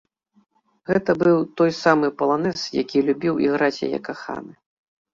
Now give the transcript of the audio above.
Гэта быў той самы паланэз, які любіў іграць яе каханы.